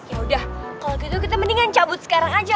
yaudah kalo gitu kita mendingan cabut sekarang aja